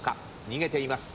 逃げています。